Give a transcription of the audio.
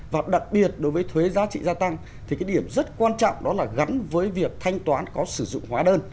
và đặc biệt đối với thuế giá trị gia tăng thì cái điểm rất quan trọng đó là gắn với việc thanh toán có sử dụng hóa đơn